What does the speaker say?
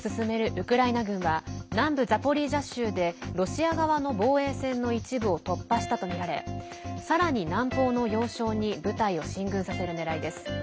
ウクライナ軍は南部ザポリージャ州でロシア側の防衛線の一部を突破したとみられさらに南方の要衝に部隊を進軍させるねらいです。